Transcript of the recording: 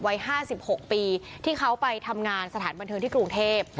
วัย๕๖ปีเขาไปทำงานมาสถานบันเทศกรุงเทพฯ